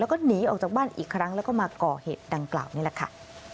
แล้วก็หนีออกจากบ้านอีกครั้งแล้วก็มาก่อเหตุดังกล่าวนี่แหละค่ะ